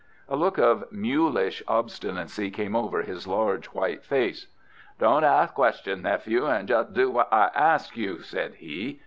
A look of mulish obstinacy came over his large, white face. "Don't ask questions, nephew, and just do what I ask you," said he.